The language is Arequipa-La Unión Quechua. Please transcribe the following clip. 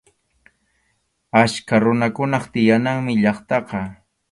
Achka runakunap tiyananmi llaqtaqa.